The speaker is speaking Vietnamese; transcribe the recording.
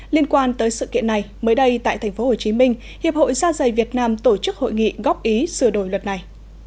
liên quan tới sự kiện này mới đây tại tp hcm hiệp hội da dày việt nam tổ chức hội nghị góp ý sửa đổi luật này